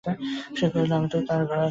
সে কহিল, আমি তো আর ঘোড়া নই।